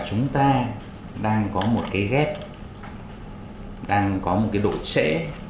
chúng ta đang có một cái ghép đang có một cái độ trễ